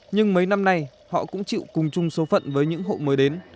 nhưng mấy năm nay họ cũng chịu cùng chung số phận với những hộ mới đến